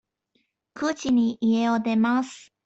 九時に家を出ます。